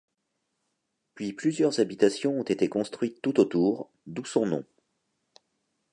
Puis plusieurs habitations ont été construites tout autour, d'où son nom.